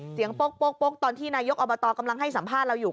เสียงโป๊กโป๊กโป๊กตอนที่นายยกอบตกำลังให้สัมภาษณ์เราอยู่